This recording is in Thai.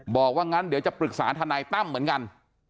บอกว่างั้นเดี๋ยวจะปรึกษาทนายตั้มเหมือนกัน